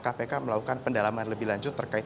kpk melakukan pendalaman lebih lanjut terkait